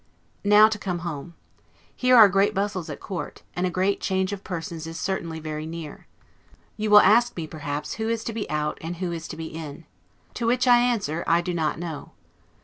Now to come home. Here are great bustles at Court, and a great change of persons is certainly very near. You will ask me, perhaps, who is to be out, and who is to be in? To which I answer, I do not know.